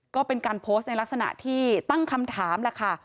ก็เป็นการโพสต์ในลักษณะที่ตั้งคำถามแหละค่ะ